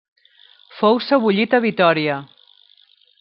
Fou sebollit a Vitória.